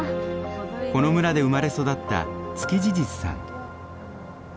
この村で生まれ育ったツキジジスさん。